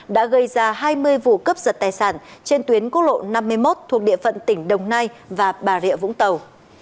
đã gây ra hai mươi vụ cấp giật tài sản trên tuyến quốc lộ năm mươi một thuộc địa phận tỉnh đồng nai và bà rịa vũng tàu